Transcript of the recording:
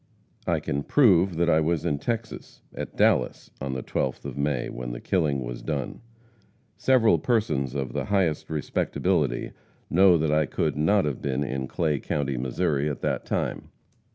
I can prove that I was in Texas, at Dallas, on the 12th of May, when the killing was done. Several persons of the highest respectability know that I could not have been in Clay county, Missouri, at that time.